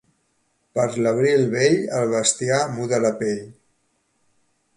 Per l'abril bell el bestiar muda la pell.